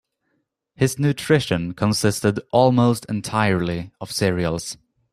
His nutrition consisted almost entirely of cereals.